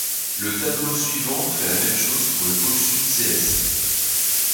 Le tableau suivant fait la même chose pour le pôle sud céleste.